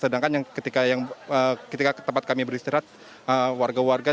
sedangkan yang ketika tempat kami beristirahat warga warga